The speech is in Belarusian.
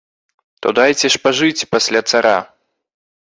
То дайце ж пажыць пасля цара!